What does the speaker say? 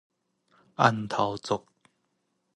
向頭族